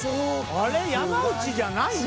あれ山内じゃないの？